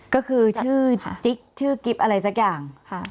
ก็คือชื่อจิ๊กชื่อกิ๊บอะไรสักอย่าง